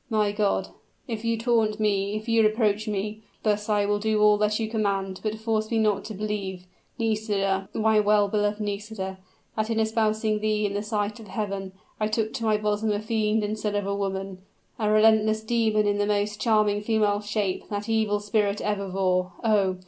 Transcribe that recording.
My God! if you taunt me if you reproach me thus I will do all that you command; but force me not to believe, Nisida my well beloved Nisida that, in espousing thee in the sight of Heaven, I took to my bosom a fiend instead of a woman, a relentless demon in the most charming female shape that evil spirit ever wore. Oh!